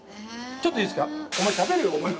ちょっといいですか？